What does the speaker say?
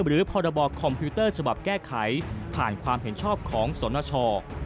พรบคอมพิวเตอร์ฉบับแก้ไขผ่านความเห็นชอบของสนช